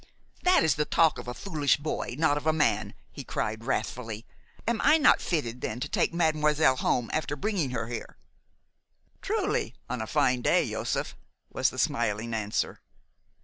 "That is the talk of a foolish boy, not of a man," he cried wrathfully. "Am I not fitted, then, to take mademoiselle home after bringing her here?" "Truly, on a fine day, Josef," was the smiling answer.